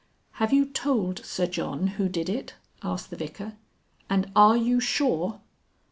"Have you told Sir John who did it?" asked the Vicar. "And are you sure?"